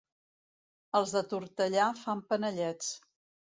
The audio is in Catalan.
Els de Tortellà fan panellets.